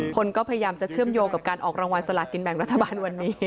คนก็พยายามจะเชื่อมโยงกับการออกรางวัลสลากินแบ่งรัฐบาลวันนี้